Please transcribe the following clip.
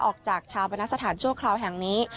จากชาวบรรณสถานชั่วคราวแห่งนี้